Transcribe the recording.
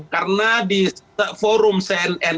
halo nana kasih waktu dengan baik supaya berimbang saya menjelaskan